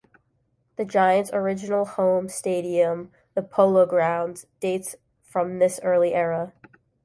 The Giants' original home stadium, the Polo Grounds, dates from this early era.